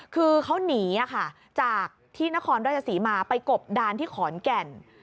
คือเขาหนีจากที่นครราชศรีมาไปกบดานที่ขอนแก่น